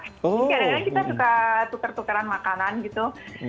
jadi kadang kadang kita suka tukar tukaran makanan gitu